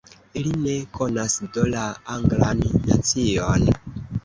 Li ne konas do la Anglan nacion.